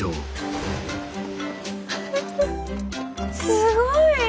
すごい！